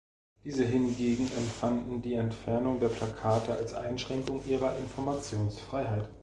Diese hingegen empfanden die Entfernung der Plakate als Einschränkung ihrer Informationsfreiheit.